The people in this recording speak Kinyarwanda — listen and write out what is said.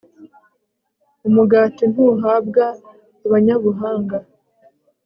umugati ntuhabwa abanyabuhanga